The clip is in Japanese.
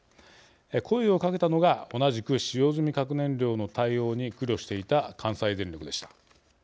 声をかけたのが同じく使用済み核燃料の対応に苦慮していた関西電力でした。